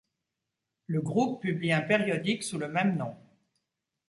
Le groupe publie un périodique sous le même nom.